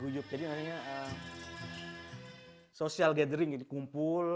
jadi makanya social gathering kumpul